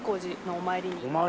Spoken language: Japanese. お参りに。